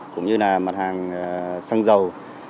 cũng như là mặt hàng xăng dầu